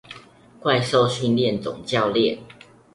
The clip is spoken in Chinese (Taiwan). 怪獸訓練總教練